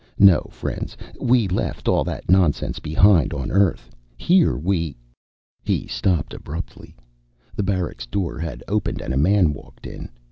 No, friends, we left all that nonsense behind on Earth. Here we " He stopped abruptly. The barracks' door had opened and a man walked in.